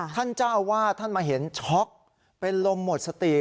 ท่านเจ้าอาวาสท่านมาเห็นช็อกเป็นลมหมดสติ